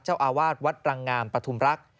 เจ้าอาวาสวัดรังงามปฐุมรักษ์